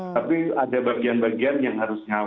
tapi ada bagian bagian yang harus nyawal